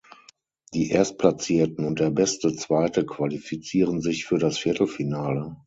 Die Erstplatzierten und der beste Zweite qualifizieren sich für das Viertelfinale.